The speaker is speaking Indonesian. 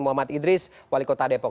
muhammad idris wali kota depok